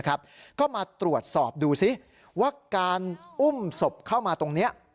ก็มาตรวจสอบดูซิว่าการอุ้มศพเข้ามาตรงนี้